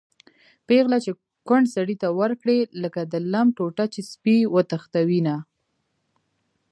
پېغله چې کونډ سړي ته ورکړي-لکه د لم ټوټه چې سپی وتښتوېنه